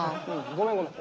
ごめんごめん。